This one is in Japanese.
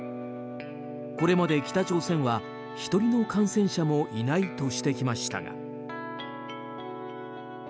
これまで北朝鮮は１人の感染者もいないとしてきましたが。